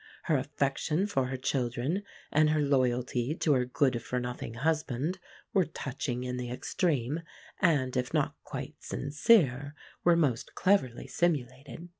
Her affection for her children and her loyalty to her good for nothing husband were touching in the extreme; and, if not quite sincere, were most cleverly simulated.